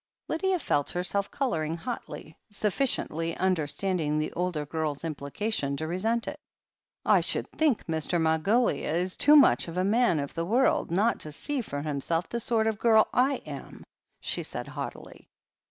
Lydia felt herself colouring hotly, sufficiently under standing the older girl's implication to resent it. "I should think Mr. Margoliouth is too much of a man of the world not to see for himself the sort of girl / am," she said haughtily.